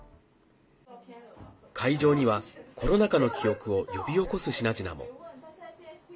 会場には、コロナ禍の記憶を呼び起こす品々も。